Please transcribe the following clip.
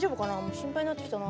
心配になってきたな。